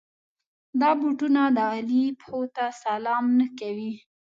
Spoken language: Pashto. دا بوټونه د علي پښو ته سلام نه کوي.